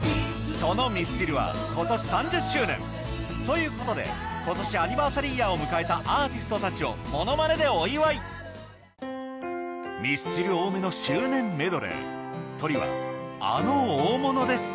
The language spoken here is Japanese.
そのミスチルは今年３０周年ということで今年アニバーサリーイヤーを迎えたアーティストたちをものまねでお祝いミスチル多めの周年メドレートリはあの大物です